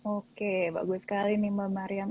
oke bagus sekali nih mbak mariam